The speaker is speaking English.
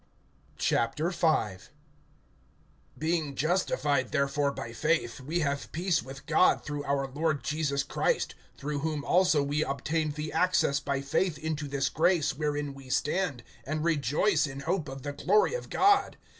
V. BEING justified therefore by faith, we have peace with God through our Lord Jesus Christ; (2)through whom also we obtained the access by faith into this grace wherein we stand, and rejoice in hope of the glory of God.